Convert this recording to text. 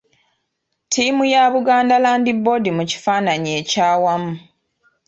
Ttiimu ya Buganda Land Board mu kifaananyi ekyawamu.